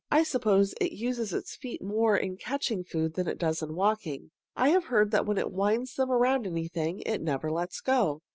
I suppose it uses its feet more in catching food than it does in walking. I have heard that when it winds them around anything it never lets go."